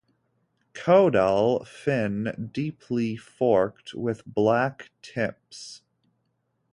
Caudal fin deeply forked with black tips.